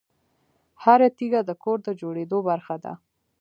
هره تیږه د کور د جوړېدو برخه ده.